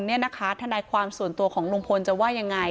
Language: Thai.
เนี่ยนะคะทนายความส่วนตัวของรุงพลจะว่ายังไง